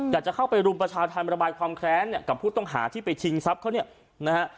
จะเข้าไปรุมประชาธรรมระบายความแค้นเนี่ยกับผู้ต้องหาที่ไปชิงทรัพย์เขาเนี่ยนะฮะ